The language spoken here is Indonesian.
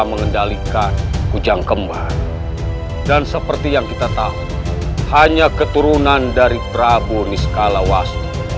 mengendalikan ujang kembar dan seperti yang kita tahu hanya keturunan dari prabu niskalawas